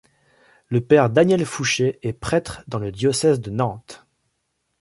Le Père Daniel Foucher est prêtre dans le diocèse de Nantes.